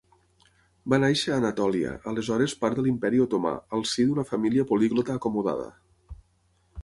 Va néixer a Anatòlia, aleshores part de l'Imperi otomà, al si d'una família poliglota acomodada.